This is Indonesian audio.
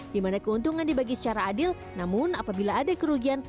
di mana keuntungan dibagi secara adil namun apabila ada kerugian